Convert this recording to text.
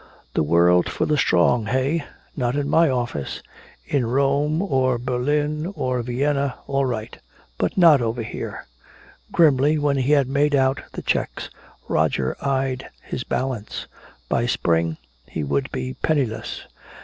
"The world for the strong, eh? Not in my office!" In Rome or Berlin or Vienna, all right! But not over here! Grimly, when he had made out the checks, Roger eyed his balance. By spring he would be penniless.